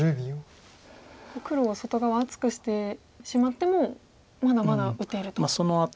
黒は外側厚くしてしまってもまだまだ打てると。